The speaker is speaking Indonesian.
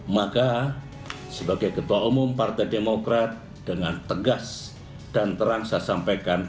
maka sebagai ketua umum partai demokrat dengan tegas dan terang saya sampaikan